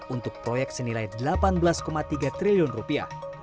untuk proyek senilai delapan belas tiga triliun rupiah